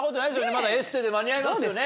まだエステで間に合いますよね？